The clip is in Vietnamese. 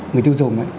người tiêu dùng